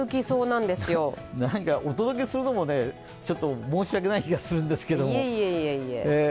なんかお届けするのもね申し訳ない気がするんですけど。